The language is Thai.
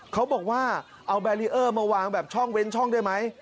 เขาบอกว่าเอาแบรีเออร์มาวางแบบช่องเว้นช่องได้ไหม